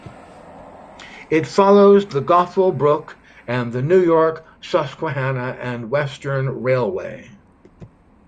It follows the Goffle Brook and the New York, Susquehanna and Western Railway.